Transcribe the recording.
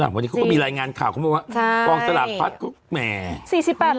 เขาเมื่อกี้ก็มีรายงานข่าวเขาเรียกว่ากองสลับพัดก็แหมแหละ